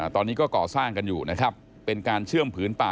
ตอนนี้ก็ก่อสร้างกันอยู่นะครับเป็นการเชื่อมผืนป่า